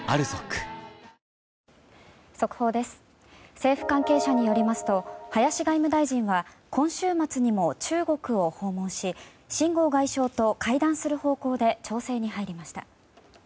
政府関係者によりますと林外務大臣は今週末にも中国を訪問しシン・ゴウ外相と会談する方向で調整に入りました。